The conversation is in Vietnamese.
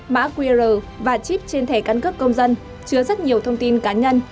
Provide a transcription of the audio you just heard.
mã qr và chip trên thẻ căn cước công dân chứa rất nhiều thông tin cá nhân